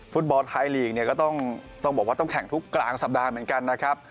ฟุตบอลไทยลีกเนี่ยก็ต้องบอกว่าต้องแข่งทุกกลางสัปดาห์เหมือนกันนะครับ